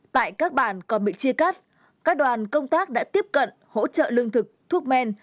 tại các bản còn bị chia cắt các đoàn công tác đã tiếp cận hỗ trợ lương thực thuốc men